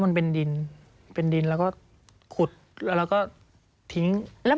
สวัสดีค่ะที่จอมฝันครับ